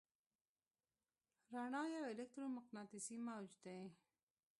رڼا یو الکترومقناطیسي موج دی.